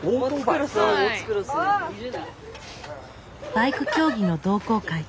バイク競技の同好会。